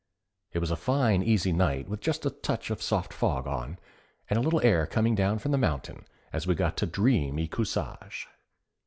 It was a fine easy night with just a touch of soft fog on, and a little air coming down from the mountain as we got to Dreem y Cuschaage.